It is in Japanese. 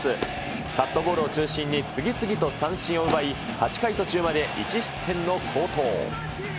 カットボールを中心に次々と三振を奪い、８回途中まで１失点の好投。